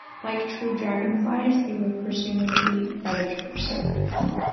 Like true dragonflies, they were presumably predators.